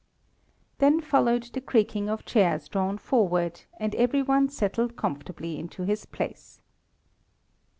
"] Then followed the creaking of chairs drawn forward, and every one settled comfortably into his place.